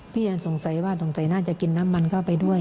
พี่ยังสงสัยว่าน่าจะกินน้ำมันเข้าไปด้วย